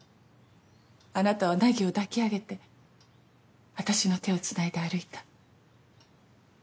あなたは凪を抱き上げて私の手をつないで歩いた。